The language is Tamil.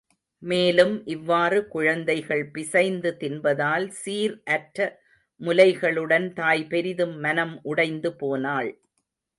மேலும் இவ்வாறு குழந்தைகள் பிசைந்து தின்பதால் சீர் அற்ற முலைகளுடன் தாய் பெரிதும் மனம் உடைந்து போனாள்.